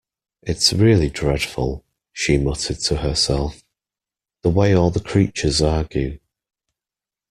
‘It’s really dreadful,’ she muttered to herself, ‘the way all the creatures argue’.